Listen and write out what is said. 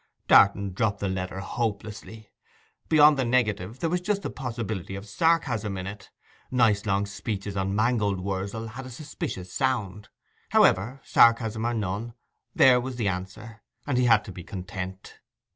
Darton dropped the letter hopelessly. Beyond the negative, there was just a possibility of sarcasm in it—'nice long speeches on mangold wurzel' had a suspicious sound. However, sarcasm or none, there was the answer, and he had to be content.